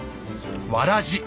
「わらじ」。